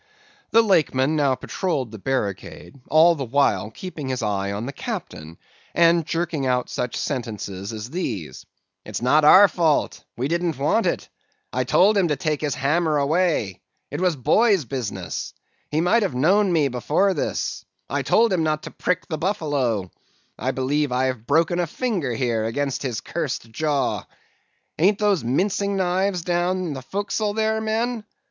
"The Lakeman now patrolled the barricade, all the while keeping his eye on the Captain, and jerking out such sentences as these:—'It's not our fault; we didn't want it; I told him to take his hammer away; it was boy's business; he might have known me before this; I told him not to prick the buffalo; I believe I have broken a finger here against his cursed jaw; ain't those mincing knives down in the forecastle there, men?